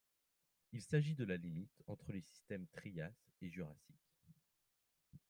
Il s’agit de la limite entre les systèmes Trias et Jurassique.